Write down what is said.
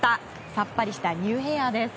さっぱりしたニューヘアです。